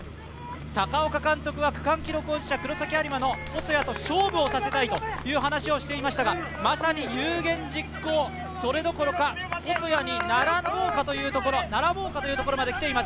高岡監督は区間記録保持者、黒崎播磨と勝負をさせたいという話をしていましたがまさに有言実行、それどころか細谷に並ぼうかというところまで来ています。